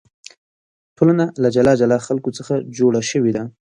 ټولنه له جلا جلا خلکو څخه جوړه شوې ده.